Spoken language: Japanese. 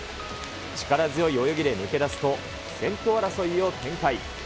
力強い泳ぎで抜け出すと、先頭争いを展開。